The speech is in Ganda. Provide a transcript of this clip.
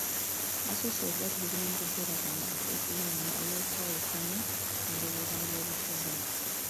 Basusse okubatulugunya mu kaseera kano ak'okulonda, olw'okwawukanya endowooza mu by'obufuzi.